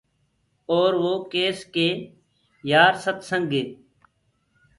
اور وو ڪيس ڪي يآر ستسنگ هي۔